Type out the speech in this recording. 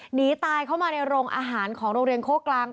หนีตายเข้ามาในโรงอาหารของโรงเรียนโค้กลาง